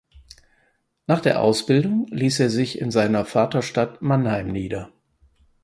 Nach der Ausbildung ließ er sich in seiner Vaterstadt Mannheim nieder.